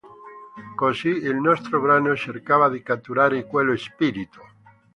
Così il nostro brano cercava di catturare quello spirito.